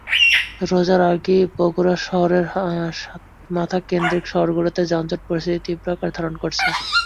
রোজার আগেই বগুড়া শহরের সাতমাথাকেন্দ্রিক সড়কগুলোতে যানজট পরিস্থিতি তীব্র আকার ধারণ করেছে।